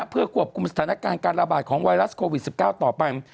เพื่อควบคุมสถานการณ์การระบาดของไวรัสโควิด๑๙ต่อไป